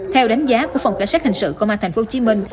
theo đánh giá của phòng cảnh sát hình sự công an thành phố hồ chí minh